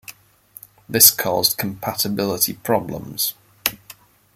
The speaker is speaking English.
This caused compatibility problems.